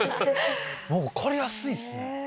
分かりやすいっすね。